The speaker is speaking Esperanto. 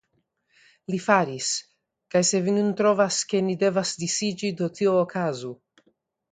Li faris; kaj se vi nun trovas, ke ni devas disiĝi, do tio okazu.